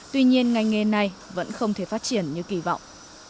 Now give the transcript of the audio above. tuy nhiên ngành nghề này vẫn không thể phát triển như kỳ vọng